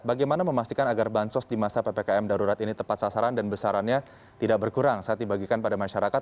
bagaimana memastikan agar bansos di masa ppkm darurat ini tepat sasaran dan besarannya tidak berkurang saat dibagikan pada masyarakat